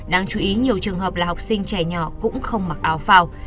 đáng chú ý nhiều trường hợp là học sinh trẻ nhỏ cũng không mặc áo phao